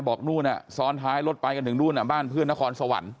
บอกนู่นซ้อนท้ายรถไปกันถึงนู่นบ้านเพื่อนนครสวรรค์